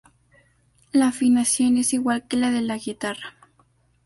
La afinación es igual que la de la guitarra.